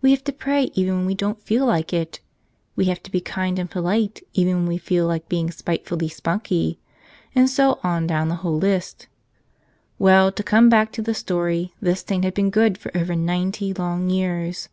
We have to pray even when we don't feel like it; we have to be kind and polite even when we feel like being spitefully spunky ; and so on down the whole list. Well, to come back to the story, this saint had been good for over ninety long years.